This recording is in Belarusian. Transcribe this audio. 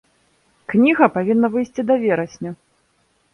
Кніга павінна выйсці да верасня.